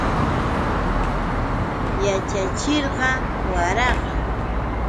Yaćhachiqqa wararqa.